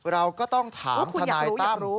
เราก็ต้องถามธนายตำ